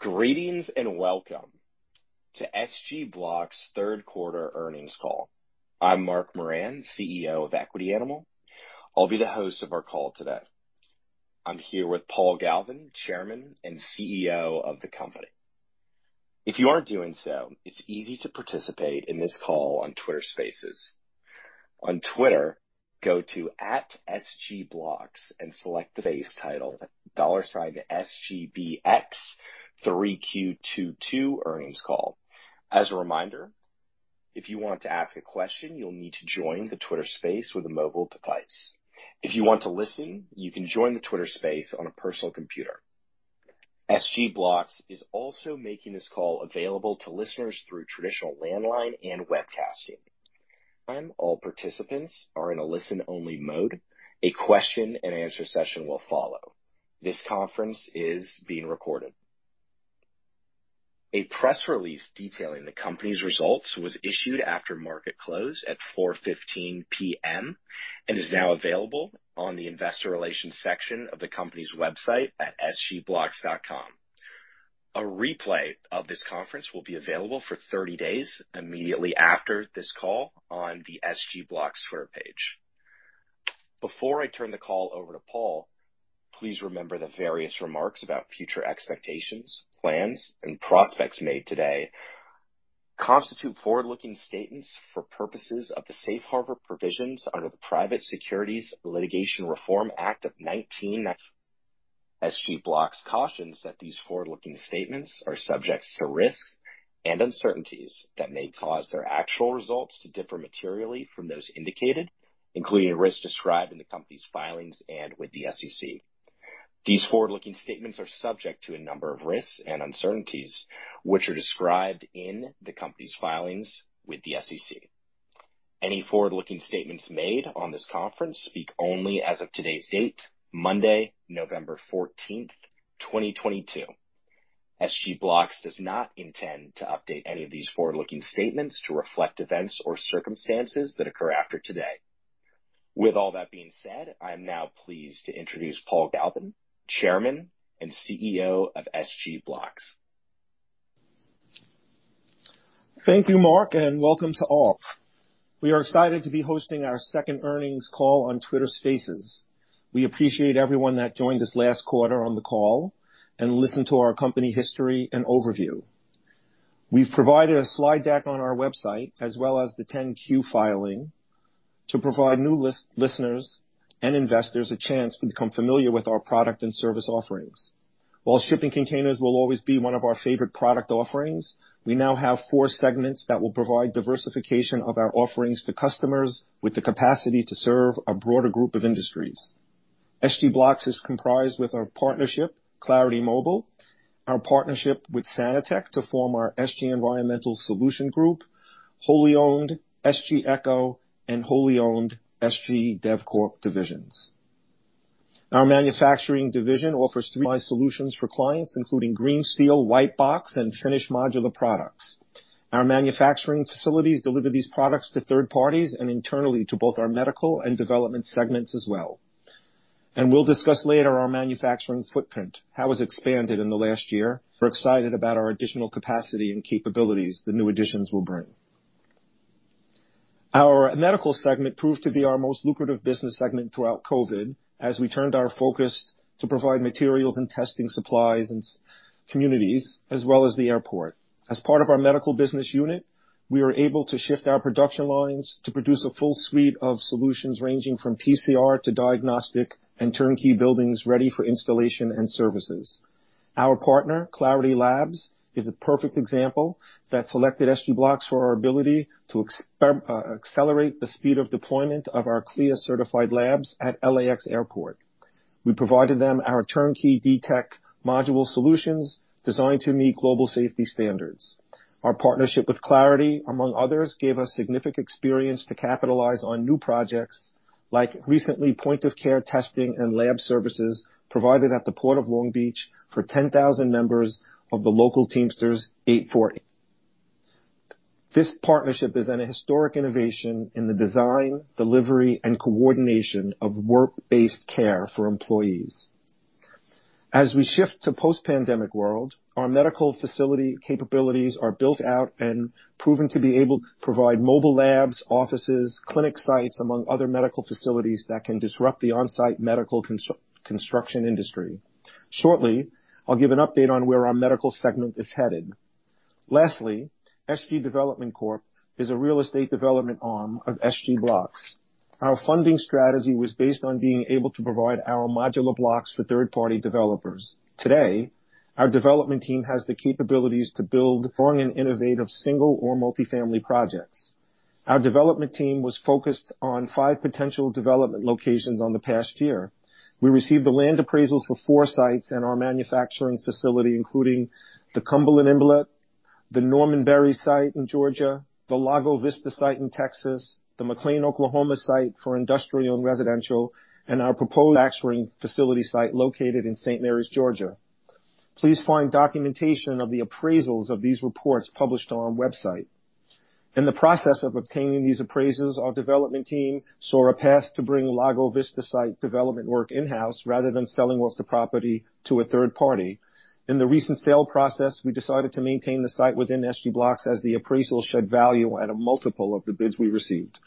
Greetings and welcome to SG Blocks Q3 earnings call. I'm Mark Moran, CEO of Equity Animal. I'll be the host of our call today. I'm here with Paul Galvin, Chairman and CEO of the company. If you aren't doing so, it's easy to participate in this call on Twitter Spaces. On Twitter, go to @SG Blocks and select the space title $SGBX 3Q22 earnings call. As a reminder, if you want to ask a question, you'll need to join the Twitter Spaces with a mobile device. If you want to listen, you can join the Twitter Spaces on a personal computer. SG Blocks is also making this call available to listeners through traditional landline and webcasting. All participants are in a listen-only mode. A question-and-answer session will follow. This conference is being recorded. A press release detailing the company's results was issued after market close at 4:15 P.M. and is now available on the investor relations section of the company's website at sgblocks.com. A replay of this conference will be available for 30 days immediately after this call on the SG Blocks Twitter page. Before I turn the call over to Paul, please remember the various remarks about future expectations, plans and prospects made today constitute forward-looking statements for purposes of the safe harbor provisions under the Private Securities Litigation Reform Act of 1995. SG Blocks cautions that these forward-looking statements are subject to risks and uncertainties that may cause their actual results to differ materially from those indicated, including risks described in the company's filings with the SEC. These forward-looking statements are subject to a number of risks and uncertainties which are described in the company's filings with the SEC. Any forward-looking statements made on this conference speak only as of today's date, Monday, November 14, 2022. SG Blocksdoes not intend to update any of these forward-looking statements to reflect events or circumstances that occur after today. With all that being said, I am now pleased to introduce Paul Galvin, Chairman and CEO of SG Blocks. Thank you, Mark, and welcome to all. We are excited to be hosting our second earnings call on Twitter Spaces. We appreciate everyone that joined us last quarter on the call and listened to our company history and overview. We've provided a slide deck on our website as well as the 10-Q filing to provide new listeners and investors a chance to become familiar with our product and service offerings. While shipping containers will always be one of our favorite product offerings, we now have four segments that will provide diversification of our offerings to customers with the capacity to serve a broader group of industries. SG Blocks is comprised with our partnership, Clarity Mobile, our partnership with Sanitec to form our SG Environmental Solutions Group, wholly owned SG Echo, and wholly owned SG DevCo divisions. Our manufacturing division offers three solutions for clients, including green steel, white box, and finished modular products. Our manufacturing facilities deliver these products to third parties and internally to both our medical and development segments as well. We'll discuss later our manufacturing footprint, how it was expanded in the last year. We're excited about our additional capacity and capabilities the new additions will bring. Our medical segment proved to be our most lucrative business segment throughout COVID as we turned our focus to provide materials and testing supplies and communities as well as the airport. As part of our medical business unit, we were able to shift our production lines to produce a full suite of solutions ranging from PCR to diagnostic and turnkey buildings ready for installation and services. Our partner, Clarity Lab Solutions, is a perfect example that selected SG Blocks for our ability to accelerate the speed of deployment of our CLIA-certified labs at LAX Airport. We provided them our turnkey D-Tec module solutions designed to meet global safety standards. Our partnership with Clarity Lab Solutions, among others, gave us significant experience to capitalize on new projects like recent point-of-care testing and lab services provided at the Port of Long Beach for 10,000 members of the local Teamsters Local 840. This partnership is an historic innovation in the design, delivery, and coordination of work-based care for employees. As we shift to post-pandemic world, our medical facility capabilities are built out and proven to be able to provide mobile labs, offices, clinic sites among other medical facilities that can disrupt the on-site medical construction industry. Shortly, I'll give an update on where our medical segment is headed. Lastly, SGB Development Corp is a real estate development arm of SG Blocks. Our funding strategy was based on being able to provide our modular blocks for third-party developers. Today, our development team has the capabilities to build strong and innovative single or multi-family projects. Our development team was focused on five potential development locations in the past year. We received the land appraisals for four sites in our manufacturing facility, including the Cumberland Inlet, the Norman Berry site in Georgia, the Lago Vista site in Texas, the McClain, Oklahoma site for industrial and residential, and our proposed manufacturing facility site located in St. Mary's, Georgia. Please find documentation of the appraisals of these reports published on our website. In the process of obtaining these appraisals, our development team saw a path to bring Lago Vista site development work in-house rather than selling off the property to a third party. In the recent sale process, we decided to maintain the site within SG Blocks as the appraisal showed value at a multiple of the bids we received.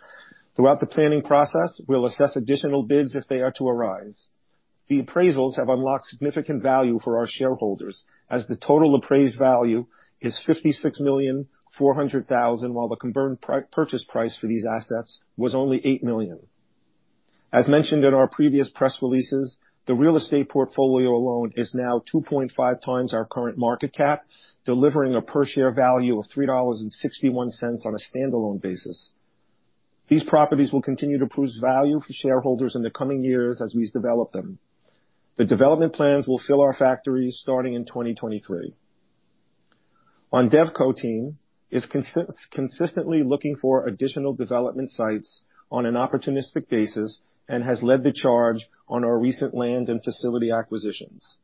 Throughout the planning process, we'll assess additional bids if they are to arise. The appraisals have unlocked significant value for our shareholders as the total appraised value is $56.4 million, while the combined purchase price for these assets was only $8 million. As mentioned in our previous press releases, the real estate portfolio alone is now 2.5x our current market cap, delivering a per share value of $3.61 on a standalone basis. These properties will continue to produce value for shareholders in the coming years as we develop them. The development plans will fill our factories starting in 2023. Our DevCo team is consistently looking for additional development sites on an opportunistic basis and has led the charge on our recent land and facility acquisitions.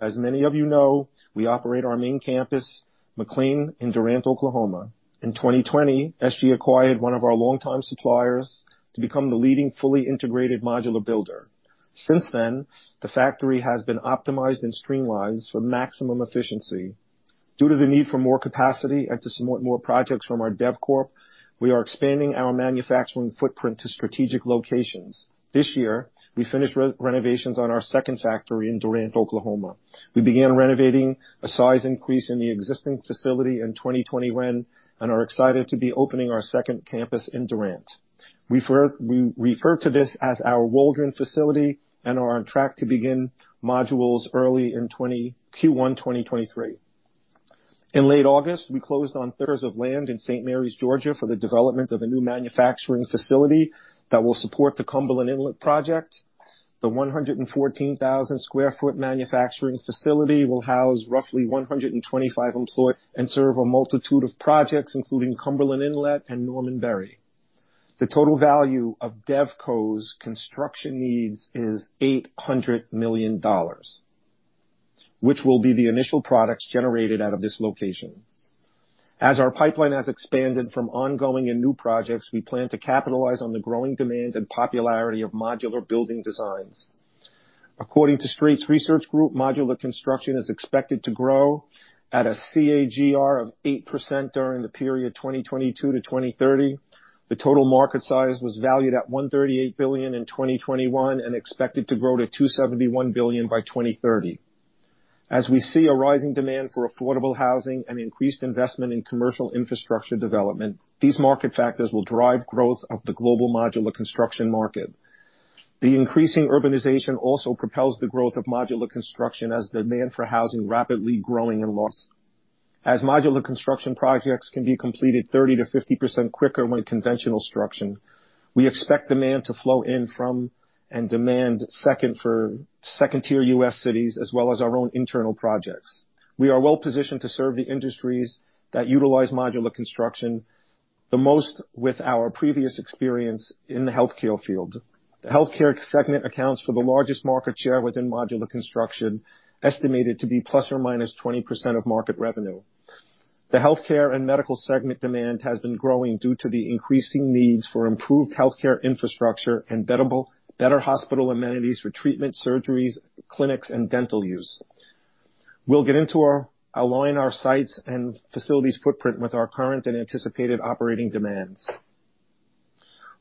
As many of you know, we operate our main campus, McClain, in Durant, Oklahoma. In 2020, SG acquired one of our longterm suppliers to become the leading fully integrated modular builder. Since then, the factory has been optimized and streamlined for maximum efficiency. Due to the need for more capacity and to support more projects from our DevCorp, we are expanding our manufacturing footprint to strategic locations. This year, we finished renovations on our second factory in Durant, Oklahoma. We began renovating a size increase in the existing facility in 2020, and are excited to be opening our second campus in Durant. We refer to this as our Waldron facility and are on track to begin modules early in Q1 2023. In late August, we closed on thirty-three acres of land in St. Mary's, Georgia for the development of a new manufacturing facility that will support the Cumberland Inlet project. The 114,000 sq ft manufacturing facility will house roughly 125 employees and serve a multitude of projects, including Cumberland Inlet and Norman Berry. The total value of DevCo's construction needs is $800 million, which will be the initial products generated out of this location. Our pipeline has expanded from ongoing and new projects. We plan to capitalize on the growing demand and popularity of modular building designs. According to Straits Research, modular construction is expected to grow at a CAGR of 8% during the period 2022-2030. The total market size was valued at $138 billion in 2021 and expected to grow to $271 billion by 2030. As we see a rising demand for affordable housing and increased investment in commercial infrastructure development, these market factors will drive growth of the global modular construction market. The increasing urbanization also propels the growth of modular construction as demand for housing rapidly growing in most. As modular construction projects can be completed 30%-50% quicker than conventional construction, we expect demand to flow in from and demand second for second-tier U.S. cities as well as our own internal projects. We are well-positioned to serve the industries that utilize modular construction the most with our previous experience in the healthcare field. The healthcare segment accounts for the largest market share within modular construction, estimated to be ±20% of market revenue. The healthcare and medical segment demand has been growing due to the increasing needs for improved healthcare infrastructure and better hospital amenities for treatment, surgeries, clinics, and dental use. We'll align our sites and facilities footprint with our current and anticipated operating demands.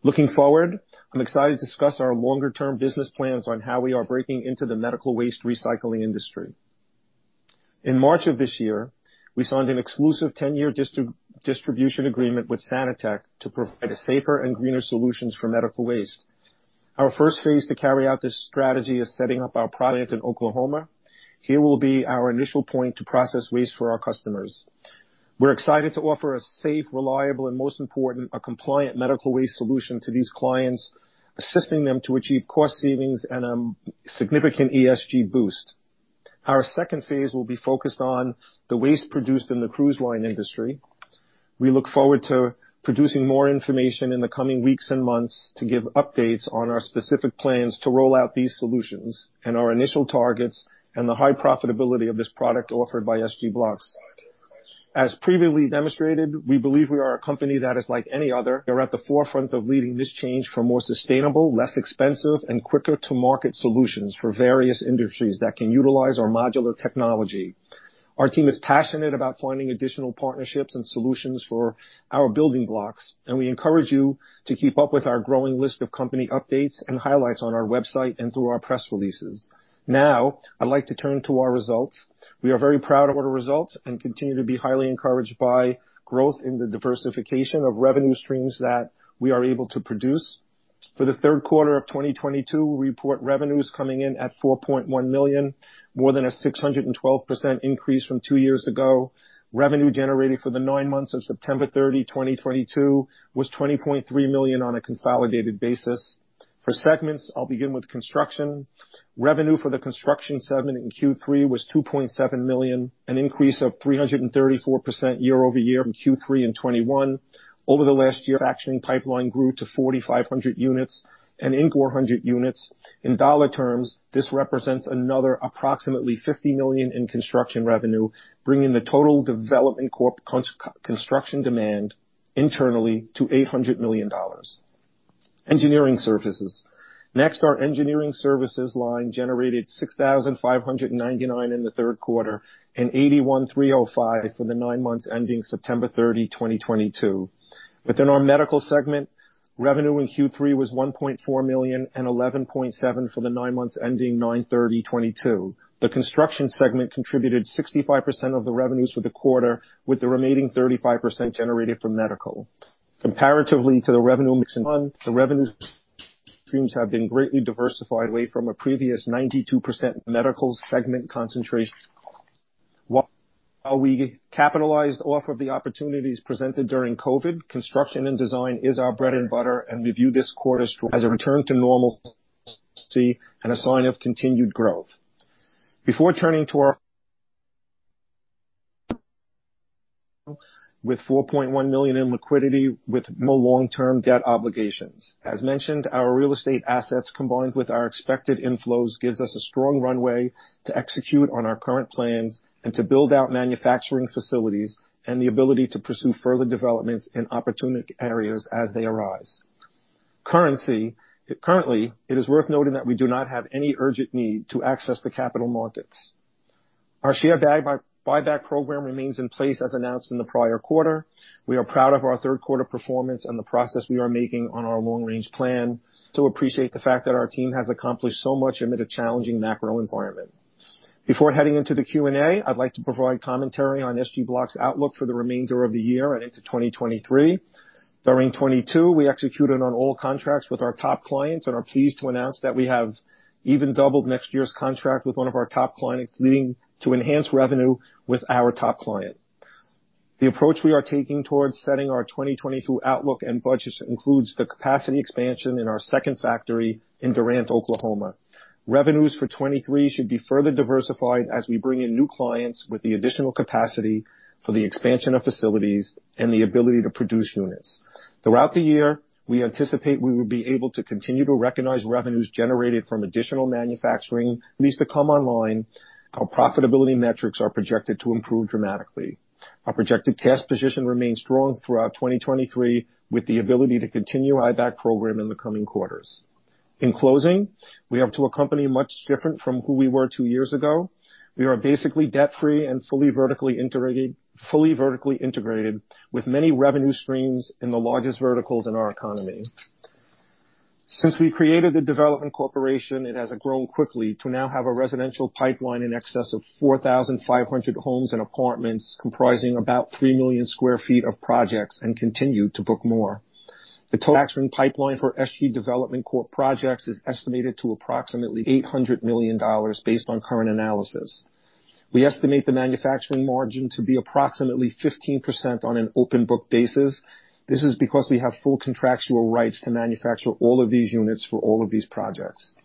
Looking forward, I'm excited to discuss our longer-term business plans on how we are breaking into the medical waste recycling industry. In March of this year, we signed an exclusive 10-year distribution agreement with Sanitec to provide a safer and greener solutions for medical waste. Our first phase to carry out this strategy is setting up our project in Oklahoma. Here will be our initial point to process waste for our customers. We're excited to offer a safe, reliable, and most important, a compliant medical waste solution to these clients, assisting them to achieve cost savings and significant ESG boost. Our second phase will be focused on the waste produced in the cruise line industry. We look forward to producing more information in the coming weeks and months to give updates on our specific plans to roll out these solutions and our initial targets and the high profitability of this product offered by SG Blocks. As previously demonstrated, we believe we are a company that is like any other. We are at the forefront of leading this change for more sustainable, less expensive, and quicker-to-market solutions for various industries that can utilize our modular technology. Our team is passionate about finding additional partnerships and solutions for our building blocks, and we encourage you to keep up with our growing list of company updates and highlights on our website and through our press releases. Now, I'd like to turn to our results. We are very proud of our results and continue to be highly encouraged by growth in the diversification of revenue streams that we are able to produce. For the Q3 of 2022, we report revenues coming in at $4.1 million, more than a 612% increase from two years ago. Revenue generated for the nine months of September 30, 2022 was $20.3 million on a consolidated basis. For segments, I'll begin with construction. Revenue for the construction segment in Q3 was $2.7 million, an increase of 334% year-over-year from Q3 in 2021. Over the last year, acquisition pipeline grew to 4,500 units and 1,400 units. In dollar terms, this represents another approximately $50 million in construction revenue, bringing the total development corp's construction demand internally to $800 million. Engineering services. Next, our engineering services line generated $6,599 in the Q3 and $81,305 for the nine months ending September 30, 2022. Within our medical segment, revenue in Q3 was $1.4 million and $11.7 million for the nine months ending September 30, 2022. The construction segment contributed 65% of the revenues for the quarter, with the remaining 35% generated from medical. Comparatively to the revenue mix in months, the revenue streams have been greatly diversified away from a previous 92% medical segment concentration. While we capitalized off of the opportunities presented during COVID, construction and design is our bread and butter, and we view this quarter as a return to normalcy and a sign of continued growth. Before turning to our with $4.1 million in liquidity with no long-term debt obligations. As mentioned, our real estate assets, combined with our expected inflows, gives us a strong runway to execute on our current plans and to build out manufacturing facilities and the ability to pursue further developments in opportunistic areas as they arise. Currently, it is worth noting that we do not have any urgent need to access the capital markets. Our share buyback program remains in place as announced in the prior quarter. We are proud of our Q3 performance and the progress we are making on our long range plan to appreciate the fact that our team has accomplished so much amid a challenging macro environment. Before heading into the Q&A, I'd like to provide commentary on SG Blocks's outlook for the remainder of the year and into 2023. During 2022, we executed on all contracts with our top clients and are pleased to announce that we have even doubled next year's contract with one of our top clients, leading to enhanced revenue with our top client. The approach we are taking towards setting our 2022 outlook and budget includes the capacity expansion in our second factory in Durant, Oklahoma. Revenues for 2023 should be further diversified as we bring in new clients with the additional capacity for the expansion of facilities and the ability to produce units. Throughout the year, we anticipate we will be able to continue to recognize revenues generated from additional manufacturing lease to come online. Our profitability metrics are projected to improve dramatically. Our projected cash position remains strong throughout 2023, with the ability to continue buyback program in the coming quarters. In closing, we have to a company much different from who we were two years ago. We are basically debt-free and fully vertically integrated with many revenue streams in the largest verticals in our economy. Since we created the Development Corporation, it has grown quickly to now have a residential pipeline in excess of 4,500 homes and apartments comprising about 3 million sq ft of projects and continue to book more. The total actionable pipeline for SG Development Corp projects is estimated to approximately $800 million based on current analysis. We estimate the manufacturing margin to be approximately 15% on an open book basis. This is because we have full contractual rights to manufacture all of these units for all of these projects.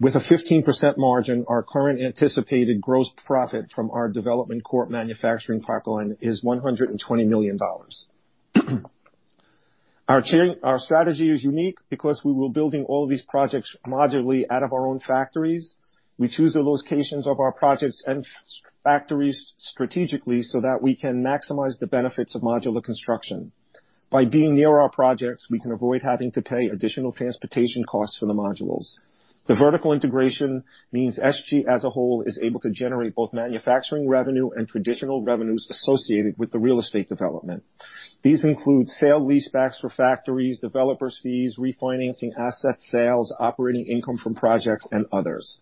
With a 15% margin, our current anticipated gross profit from our Development Corp manufacturing pipeline is $120 million. Our strategy is unique because we will be building all these projects modularly out of our own factories. We choose the locations of our projects and factories strategically so that we can maximize the benefits of modular construction. By being near our projects, we can avoid having to pay additional transportation costs for the modules. The vertical integration means SG as a whole is able to generate both manufacturing revenue and traditional revenues associated with the real estate development. These include sale leasebacks for factories, development fees, refinancing, asset sales, operating income from projects and others.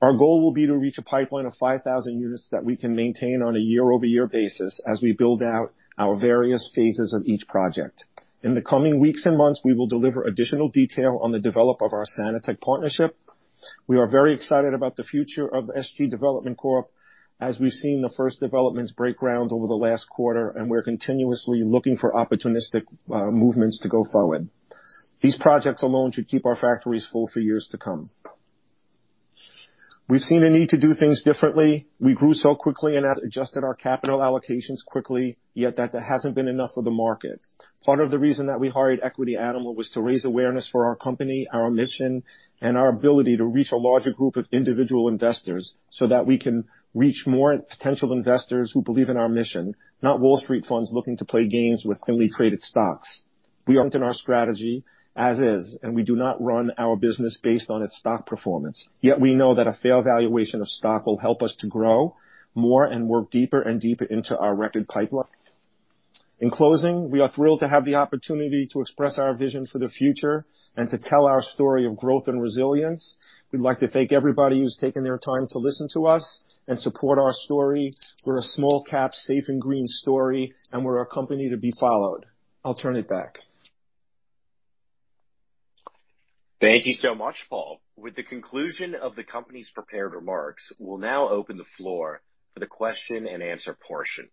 Our goal will be to reach a pipeline of 5,000 units that we can maintain on a year-over-year basis as we build out our various phases of each project. In the coming weeks and months, we will deliver additional detail on the development of our Sanitec partnership. We are very excited about the future of SGB Development Corp as we've seen the first developments break ground over the last quarter, and we're continuously looking for opportunistic movements to go forward. These projects alone should keep our factories full for years to come. We've seen a need to do things differently. We grew so quickly and have adjusted our capital allocations quickly. Yet that hasn't been enough for the market. Part of the reason that we hired Equity Animal was to raise awareness for our company, our mission, and our ability to reach a larger group of individual investors so that we can reach more potential investors who believe in our mission, not Wall Street funds looking to play games with thinly traded stocks. We aren't in our strategy as is, and we do not run our business based on its stock performance. Yet we know that a fair valuation of stock will help us to grow more and work deeper and deeper into our record pipeline. In closing, we are thrilled to have the opportunity to express our vision for the future and to tell our story of growth and resilience. We'd like to thank everybody who's taken their time to listen to us and support our story. We're a small-cap, safe and green story, and we're a company to be followed. I'll turn it back. Thank you so much, Paul. With the conclusion of the company's prepared remarks, we'll now open the floor for the question and answer portion.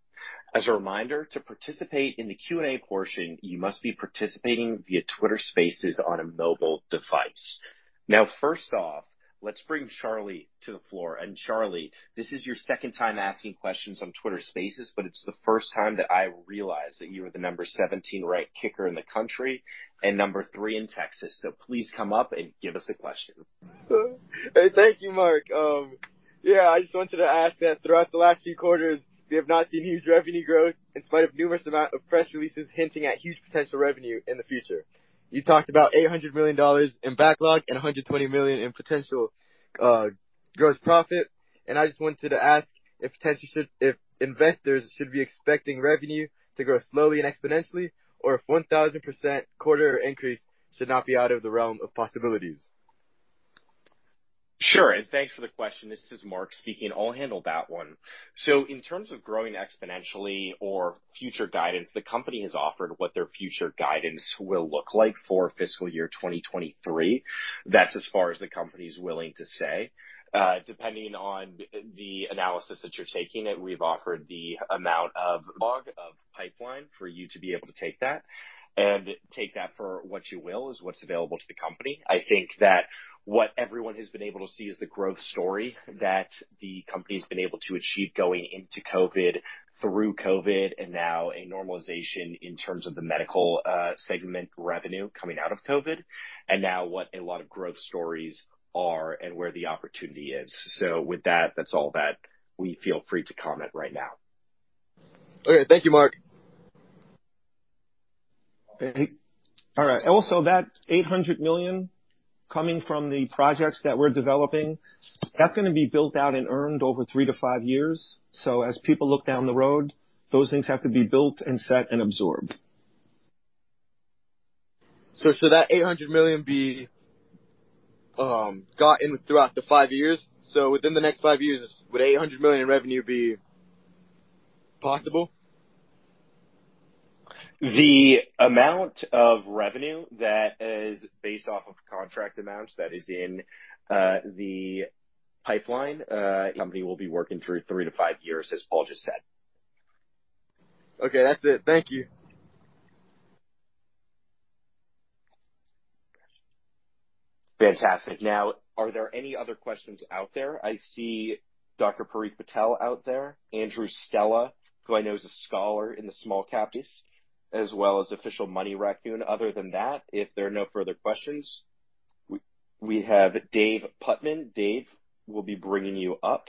As a reminder, to participate in the Q&A portion, you must be participating via Twitter Spaces on a mobile device. Now, first off, let's bring Charlie to the floor. Charlie, this is your second time asking questions on Twitter Spaces, but it's the first time that I realized that you are the number 17 right kicker in the country and number three in Texas. Please come up and give us a question. Hey, thank you, Mark. I just wanted to ask that throughout the last few quarters, we have not seen huge revenue growth in spite of numerous amount of press releases hinting at huge potential revenue in the future. You talked about $800 million in backlog and $120 million in potential gross profit. I just wanted to ask if investors should be expecting revenue to grow slowly and exponentially or if 1,000% quarter increase should not be out of the realm of possibilities. Sure. Thanks for the question. This is Mark speaking. I'll handle that one. In terms of growing exponentially or future guidance, the company has offered what their future guidance will look like for FY 2023. That's as far as the company's willing to say. Depending on the analysis that you're taking it, we've offered the amount of log of pipeline for you to be able to take that for what you will is what's available to the company. I think that what everyone has been able to see is the growth story that the company's been able to achieve going into COVID, through COVID, and now a normalization in terms of the medical segment revenue coming out of COVID. Now what a lot of growth stories are and where the opportunity is. With that's all that we feel free to comment right now. Okay. Thank you, Mark. All right. Also, that $800 million coming from the projects that we're developing, that's gonna be built out and earned over three years-five years. As people look down the road, those things have to be built and set and absorbed. Should that $800 million be gotten throughout the five years? Within the next five years, would $800 million in revenue be possible? The amount of revenue that is based off of contract amounts that is in the pipeline. Company will be working through three years-five years, as Paul just said. Okay. That's it. Thank you. Fantastic. Now, are there any other questions out there? I see Dr. Parik Patel out there, Andrew Stella, who I know is a scholar in the small-cap, as well as official Money Raccoon. Other than that, if there are no further questions, we have Dave Putnam. Dave, we'll be bringing you up.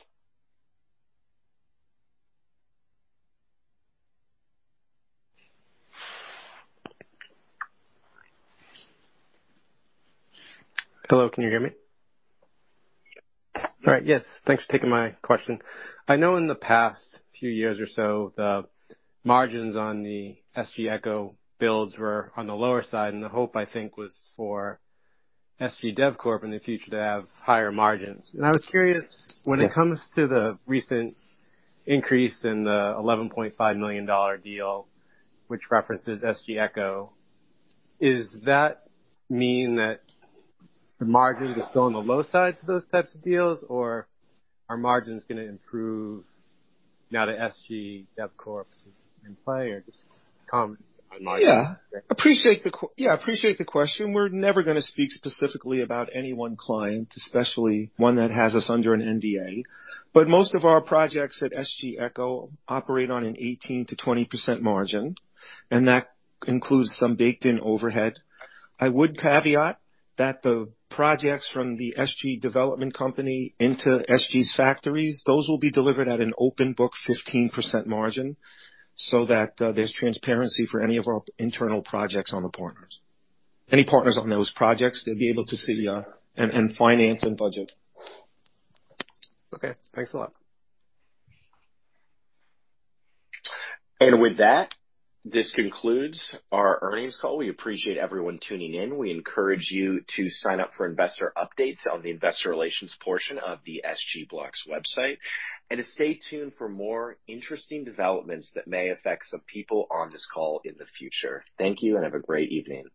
Hello, can you hear me? All right. Yes, thanks for taking my question. I know in the past few years or so, the margins on the SG Echo builds were on the lower side, and the hope, I think, was for SGB Development Corp in the future to have higher margins. I was curious, when it comes to the recent increase in the $11.5 million deal, which references SG Echo, does that mean that the margins are still on the low side to those types of deals, or are margins gonna improve now that SGB Development Corp is in play or just comment on margin? Appreciate the question. We're never gonna speak specifically about any one client, especially one that has us under an NDA. Most of our projects at SG Echo operate on an 18%-20% margin, and that includes some baked-in overhead. I would caveat that the projects from the SG development company into SG's factories, those will be delivered at an open book 15% margin so that there's transparency for any of our internal projects on the partners. Any partners on those projects, they'll be able to see and finance and budget. Okay, thanks a lot. With that, this concludes our earnings call. We appreciate everyone tuning in. We encourage you to sign up for investor updates on the investor relations portion of the SG Blocks website. To stay tuned for more interesting developments that may affect some people on this call in the future. Thank you, and have a great evening.